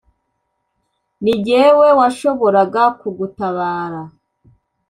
ni jyewe washoboraga kugutabara.